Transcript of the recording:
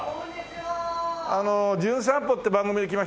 『じゅん散歩』って番組で来ました